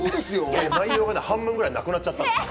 内容が半分ぐらいなくなっちゃったんですよ。